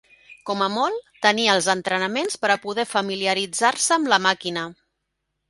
Com a molt, tenia els entrenaments per a poder familiaritzar-se amb la màquina.